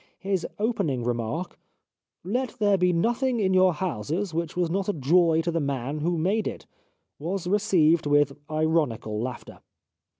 His open ing remark, " Let there be nothing in your houses which was not a joy to the man who made it," was received with ironical laughter.